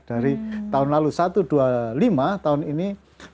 dari tahun lalu satu ratus dua puluh lima tahun ini satu ratus tiga puluh tujuh